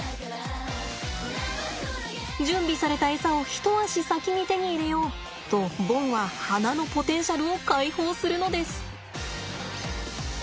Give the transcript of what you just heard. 準備されたエサを一足先に手に入れようとボンは鼻のポテンシャルを解放するのです。